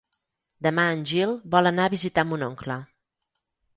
Demà en Gil vol anar a visitar mon oncle.